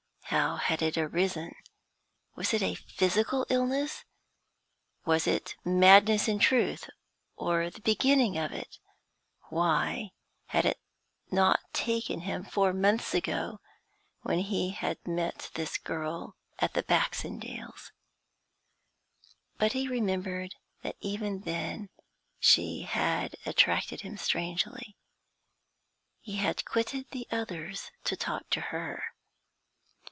How had it arisen? Was it a physical illness? Was it madness in truth, or the beginning of it? Why had it not taken him four months ago, when he met this girl at the Baxendales'? But he remembered that even then she had attracted him strangely; he had quitted the others to talk to her.